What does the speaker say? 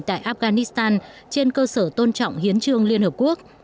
tại afghanistan trên cơ sở tôn trọng hiến trương liên hợp quốc